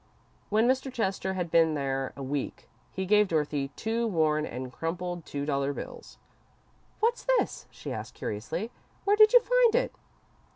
When Mr. Chester had been there a week, he gave Dorothy two worn and crumpled two dollar bills. "What's this?" she asked, curiously. "Where did you find it?"